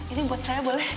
ini buat saya boleh